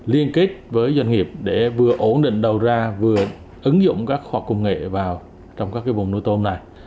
liên kết với doanh nghiệp để vừa ổn định đầu ra vừa ứng dụng các khoa công nghệ vào trong các vùng nuôi tôm này